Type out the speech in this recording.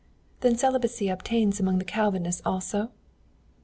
"'Then celibacy obtains among the Calvinists also?'